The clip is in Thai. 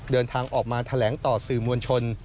เดินทางออกมาแถลงต่อสื่อมวลชน